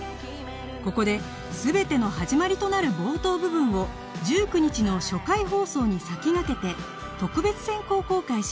ここで全ての始まりとなる冒頭部分を１９日の初回放送に先駆けて特別先行公開します